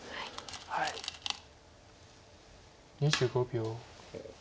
２５秒。